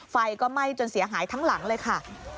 ไฟก็ไหม้จนเสียหายทั้งหลังเลยค่ะ